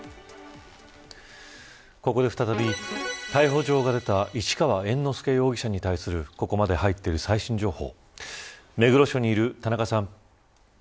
ここで再び、逮捕状が出た市川猿之助容疑者に対するここまで入っている最新情報。